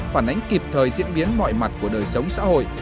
phản ánh kịp thời diễn biến mọi mặt của đời sống xã hội